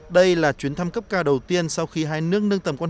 đây là chuyến thăm cấp cao đầu tiên sau khi hai nước nâng tầm quan